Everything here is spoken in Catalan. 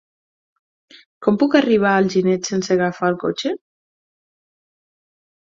Com puc arribar a Alginet sense agafar el cotxe?